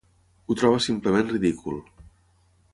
Ho troba simplement ridícul.